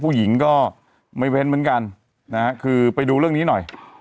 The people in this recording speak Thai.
ผู้หญิงก็ไม่เว้นเหมือนกันนะฮะคือไปดูเรื่องนี้หน่อย